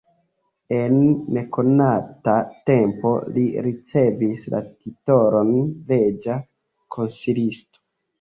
En nekonata tempo li ricevis la titolon reĝa konsilisto.